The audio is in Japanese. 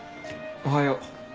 おはよう。